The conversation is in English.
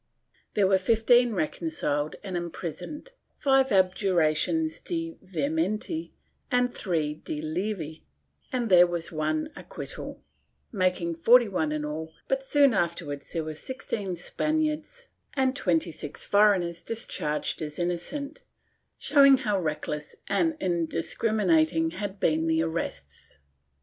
There were fifteen recon ciled and imprisoned, five abjurations de vehemenii and three de levi, and there was one acquittal, making forty one in all, but soon afterwards there were sixteen Spaniards and twenty six foreigners discharged as innocent, showing how reckless and indiscriminating had been the arrests.